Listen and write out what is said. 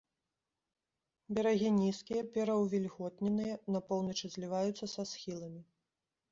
Берагі нізкія, пераўвільготненыя, на поўначы зліваюцца са схіламі.